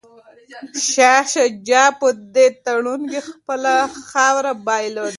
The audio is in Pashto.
شاه شجاع په دې تړون کي خپله خاوره بایلوده.